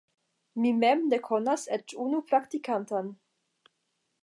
Mi mem ne konas eĉ unu praktikantan.